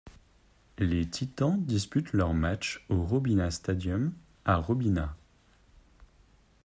Les Titans disputent leurs matchs au Robina Stadium à Robina.